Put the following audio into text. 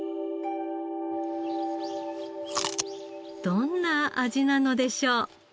どんな味なのでしょう？